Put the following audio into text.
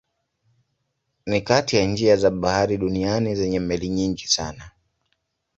Ni kati ya njia za bahari duniani zenye meli nyingi sana.